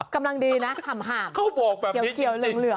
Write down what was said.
กำลังดีนะห่ำห่ามเขาบอกแบบนี้จริง